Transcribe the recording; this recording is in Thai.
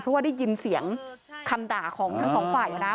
เพราะว่าได้ยินเสียงคำด่าของทั้งสองฝ่ายนะ